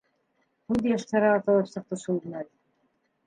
Күҙ йәштәре атылып сыҡты шул мәл.